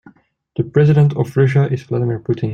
The president of Russia is Vladimir Putin.